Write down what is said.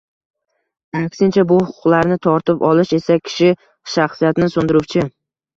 Aksincha, bu huquqlarni tortib olish esa kishi shaxsiyatini so‘ndiruvchi